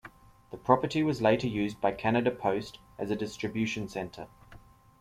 The property was later used by Canada Post as a distribution centre.